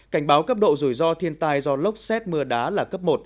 cảnh báo cấp độ rủi ro thiên tai do lốc xét mưa đá là cấp một